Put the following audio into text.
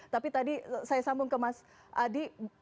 tapi tadi saya sambung ke mas adi